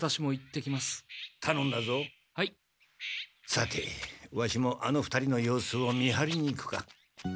さてワシもあの２人の様子を見張りに行くか。